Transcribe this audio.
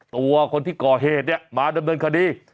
ตัวคนที่ก่อเหตุเนี่ยมาดำเนินคดี